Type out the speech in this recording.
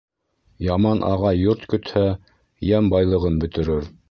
Яман ағай йорт көтһә, йәм-байлығын бөтөрөр